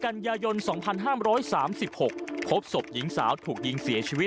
มันกลับมาแล้ว